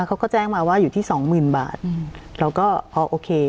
เขาก็แจ้งมาว่าอยู่ที่สองหมื่นบาทเราก็พอโอเค